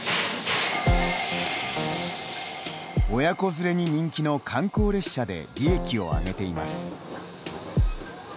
親子連れに人気の観光列車で利益を上げています。